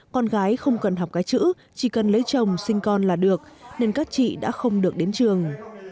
con gái không cần học cái chữ chỉ cần lấy chồng sinh con là được nên các chị đã không được đến trường